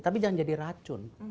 tapi jangan jadi racun